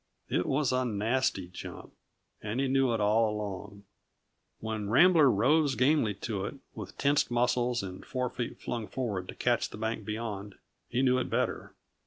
It was a nasty jump, and he knew it all along. When Rambler rose gamely to it, with tensed muscles and forefeet flung forward to catch the bank beyond, he knew it better.